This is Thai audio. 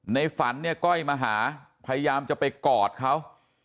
ฝันเนี่ยก้อยมาหาพยายามจะไปกอดเขา